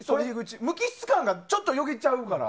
無機質感がちょっとよぎっちゃうから。